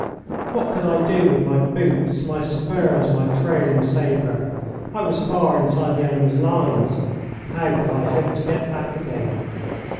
What could I do with my boots, my spurs, my trailing sabre? I was far inside the enemy's lines. How could I hope to get back again?